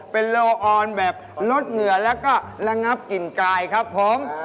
เป็นโลออนแบบลดเหงื่อแล้วก็ระงับกลิ่นกายครับผม